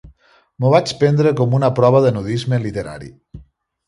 M'ho vaig prendre com una prova de nudisme literari.